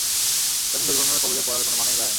এরকম দুর্ঘটনার কবলে পড়ার কোনো মানেই দাঁড়ায় না।